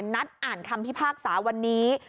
นัดอ่านคำพิพากษาวันนี้